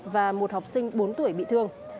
và một học sinh bốn tuổi bị thương